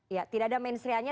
ya tidak ada menstruanya